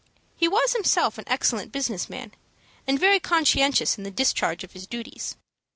He was himself an excellent business man, and very conscientious in the discharge of his duties.